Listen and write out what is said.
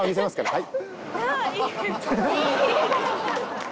はい。